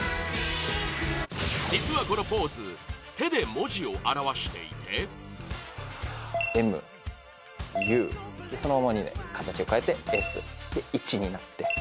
実は、このポーズ手で文字を表していてＮＯＰＰＯ：「Ｍ」、「Ｕ」そのままで形を変えて「Ｓ」「Ｉ」になって。